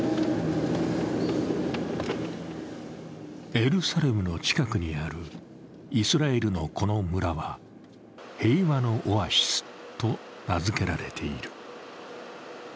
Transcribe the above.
エルサレムの近くにあるイスラエルのこの村は平和のオアシスと名づけられている。